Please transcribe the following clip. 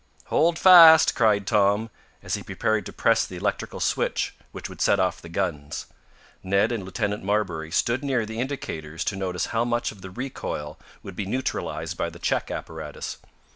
"Hold fast!" cried Tom, as he prepared to press the electrical switch which would set off the guns. Ned and Lieutenant Marbury stood near the indicators to notice how much of the recoil would be neutralized by the check apparatus.